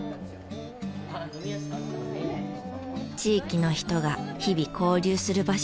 地域の人が日々交流する場所だった銭湯。